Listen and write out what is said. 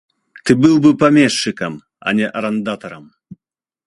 Ты быў бы памешчыкам, а не арандатарам.